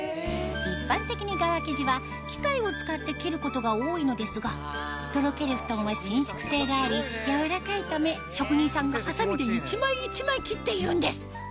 一般的に側生地は機械を使って切ることが多いのですがとろけるふとんは伸縮性がありやわらかいため職人さんがはさみで一枚一枚切っているんです！